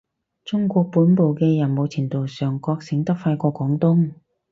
中國本部嘅人某程度上覺醒得快過廣東